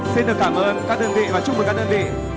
xin được cảm ơn các đơn vị và chúc mừng các đơn vị